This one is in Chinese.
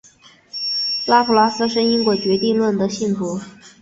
拉普拉斯是因果决定论的信徒。